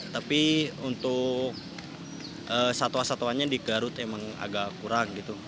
tapi untuk satwa satwanya di garut memang agak kurang gitu